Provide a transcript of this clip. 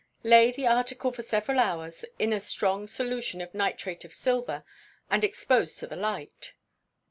Lay the article for several hours in a strong solution of nitrate of silver, and expose to the light.